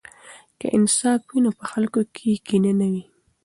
که انصاف وي نو په خلکو کې کینه نه وي.